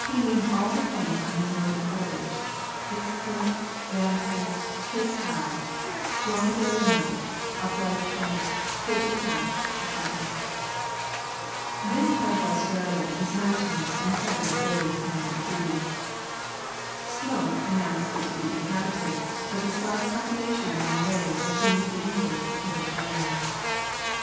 He named all the points on his northern voyage, Hick's Point, Ram Head, Cape Howe, Dromedary Mount, Upright Point, Pigeon House, &c. This part of Australia is mountainous, and covered with various kinds of trees. [Illustration: Map of Australia, after Perron's atlas.] Smoke announced it to be inhabited, but the sparse population ran away as soon as the English prepared to land.